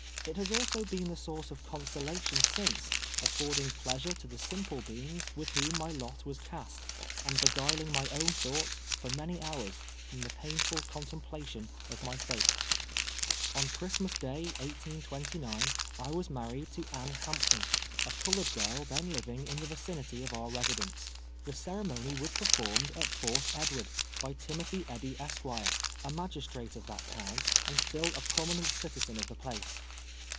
It has also been the source of consolation since, affordino: jileasure to the simple beings with whom my lot was cast, and beguiling my own thoughts, for many hours, from the painful contemplation of my fate. , On Christmas dav, 1S29, I was married to Anne GOOD RESOLUTIONS. SI Ilampton, a colored girl then living in the vicinity of our residence. Tlie ceremony was performed at Fort Edward, by Timothy Eddy, Esq., a magistrate of that town, and still a prominent citizen of the place.